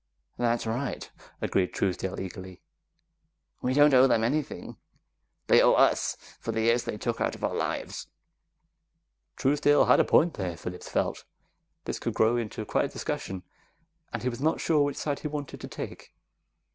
"That's right," agreed Truesdale eagerly. "We don't owe them anything. They owe us; for the years they took out of our lives!" Truesdale had a point there, Phillips felt. This could grow into quite a discussion, and he was not sure which side he wanted to take.